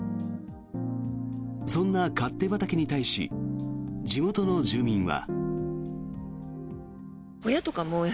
そんな勝手畑に対し地元の住民は。